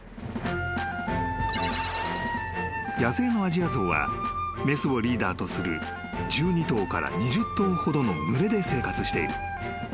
［野生のアジアゾウは雌をリーダーとする１２頭から２０頭ほどの群れで生活している］